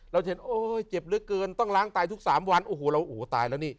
เราจะเห็นโอ้โหเจ็บลึกเกินต้องล้างไตทุก๓วันโอ้โหเราโอ้โหตายแล้วนี่